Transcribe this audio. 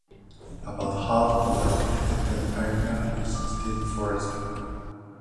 About half of the unprotected area is still forested.